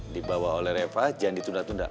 dibawa oleh reva jangan ditunda tunda